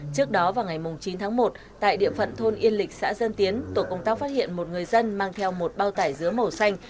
trước đó vào ngày chín tháng một tại địa phận thôn yên lịch xã dân tiến tổ công tác phát hiện một người dân mang theo một bao tải dứa màu xanh